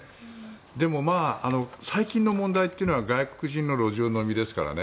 でも、最近の問題というのは外国人の路上飲みですからね。